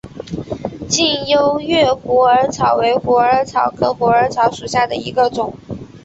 近优越虎耳草为虎耳草科虎耳草属下的一个种。